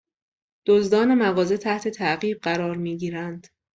دزدان مغازه تحت تعقیب قرار می گیرند